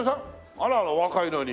あららお若いのに。